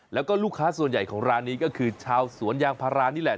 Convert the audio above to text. แล้วก็ลูกค้าส่วนใหญ่ของร้านนี้ก็คือชาวสวนยางพารานี่แหละ